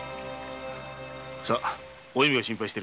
さぁお弓が心配している。